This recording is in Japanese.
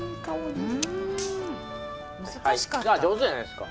上手じゃないですか。